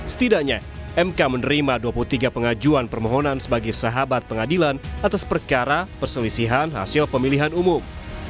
setidaknya mk menerima dua puluh tiga pengajuan permohonan sebagai sahabat pengadilan atas perkara perselisihan hasil pemilihan umum